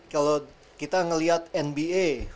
kalau kita ngeliat nba